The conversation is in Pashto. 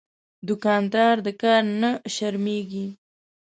دوکاندار د کار نه شرمېږي.